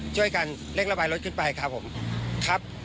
ช่วยกันเร่งระบายรถขึ้นไปครับผมครับ